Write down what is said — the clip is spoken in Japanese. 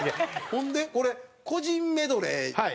ほんでこれ個人メドレーにいくわけ？